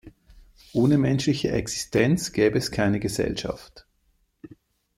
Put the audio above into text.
Ohne menschliche Existenz gäbe es keine Gesellschaft.